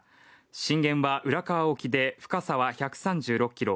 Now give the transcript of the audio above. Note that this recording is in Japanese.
震源は、浦河沖で、深さは１３６キロ。